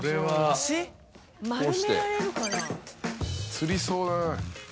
つりそうだな。